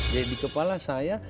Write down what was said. jadi kepala saya